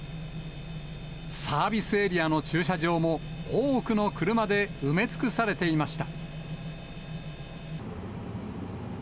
サービスエリアの駐車場も多くの車で埋め尽くされていました。